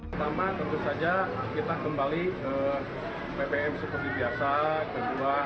pertama tentu saja kita kembali ke ppm seperti biasa kedua